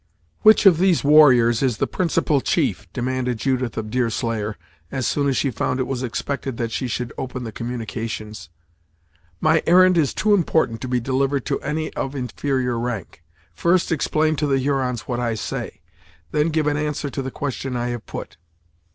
"Which of these warriors is the principal chief?" demanded Judith of Deerslayer, as soon as she found it was expected that she should open the communications; "my errand is too important to be delivered to any of inferior rank. First explain to the Hurons what I say; then give an answer to the question I have put."